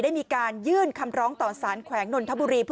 ได้มีการยื่นคำร้องต่อสารแขวงนนทบุรี